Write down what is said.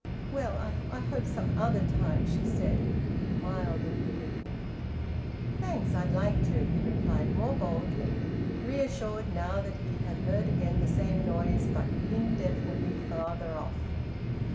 "Well, I hope some other time," she said, mild and benignant. "Thanks! I'd like to," he replied more boldly, reassured now that he had heard again the same noise but indefinitely farther off.